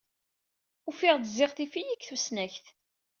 Ufiɣ-d ziɣ tif-iyi deg tusnakt.